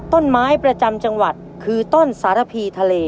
ต้นไม้ประจำจังหวัดคือต้นสารพีทะเล